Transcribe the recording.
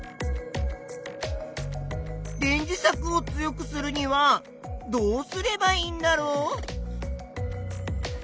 電磁石を強くするにはどうすればいいんだろう？